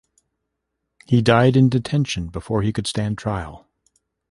He died in detention before he could stand trial.